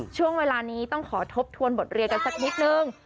ช่วงเวลานี้ต้องขอทบทวนบทเรียนกันสักนิดนึง